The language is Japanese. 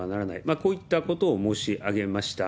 こういったことを申し上げました。